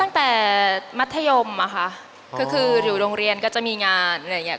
ตั้งแต่มัธยมอะค่ะก็คือหรือโรงเรียนก็จะมีงานอะไรอย่างเงี้